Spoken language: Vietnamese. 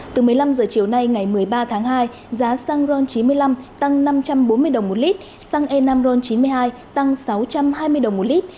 từ một mươi năm h chiều nay ngày một mươi ba tháng hai giá xăng ron chín mươi năm tăng năm trăm bốn mươi đồng một lít xăng e năm ron chín mươi hai tăng sáu trăm hai mươi đồng một lít